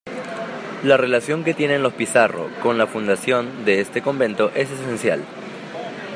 La relación que tienen los Pizarro con la fundación de este convento es esencial.